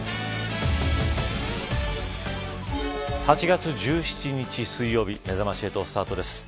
８月１７日水曜日めざまし８スタートです。